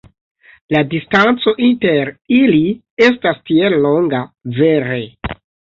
La distanco inter ili estas tiel longa, vere.